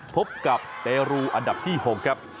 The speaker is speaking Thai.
พบกับเตรูอันดับที่๖ครับ